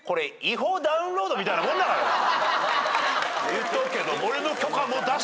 言っとくけど。